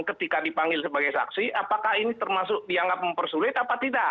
ketika dipanggil sebagai saksi apakah ini termasuk dianggap mempersulit apa tidak